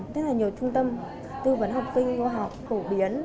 rất là nhiều trung tâm tư vấn học sinh ngô học cổ biến